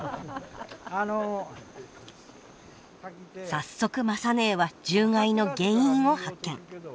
早速雅ねえは獣害の原因を発見。